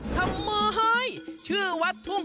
ทำเมอร์ให้